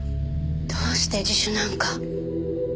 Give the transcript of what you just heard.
どうして自首なんか。